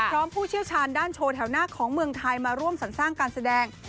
ผู้เชี่ยวชาญด้านโชว์แถวหน้าของเมืองไทยมาร่วมสรรสร้างการแสดง